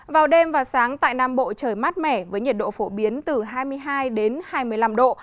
vào đêm và sáng tại nam bộ trời mát mẻ với nhiệt độ phổ biến từ hai mươi hai đến hai mươi năm độ